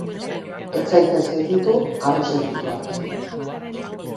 Ez zaitez gelditu harro sentitu arte.